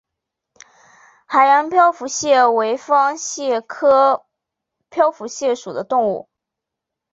海洋漂浮蟹为方蟹科漂浮蟹属的动物。